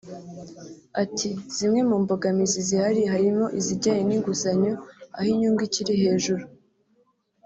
Ati “Zimwe mu mbogamizi zihari harimo izijyanye n’inguzanyo aho inyungu ikiri hejuru